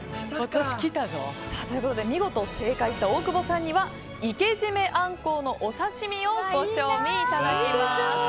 見事、正解した大久保さんには活締めアンコウのお刺し身をご賞味いただきます。